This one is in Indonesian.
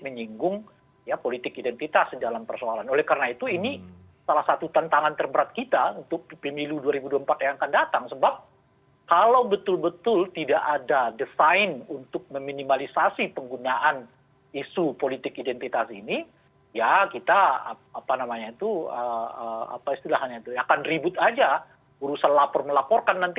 mungkin waktu dipersingkat tidak menjadi masalah